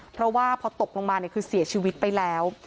เพราะว่าพอตกลงมาเนี่ยคือเสียชีวิตไปแล้ว